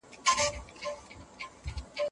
که ته کتاب ولولې نو ستا ذهن به خلاص سي.